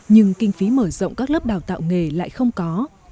nhưng kinh phí mở rộng các lớp đào tạo nghề lại không có